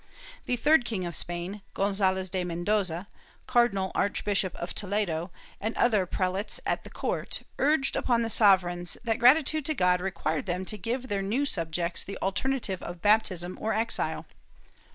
The "third king of Spain," Gonzalez de Mendoza, Cardinal archbishop of Toledo, and other prelates at the court urged upon the sover eigns that gratitude to God required them to give to their new subjects the alternative of baptism or exile.